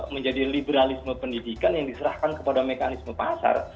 menjadi liberalisme pendidikan yang diserahkan kepada mekanisme pasar